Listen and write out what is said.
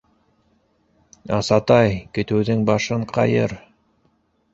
Асатай, көтөүҙең башын ҡайыр!